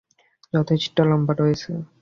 যথেষ্ট লম্বা রয়েছে।